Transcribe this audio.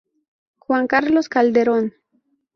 Juan Carlos Calderón.